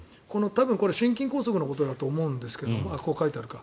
これって心筋梗塞のことだと思うんですけどこれ、書いてあるか。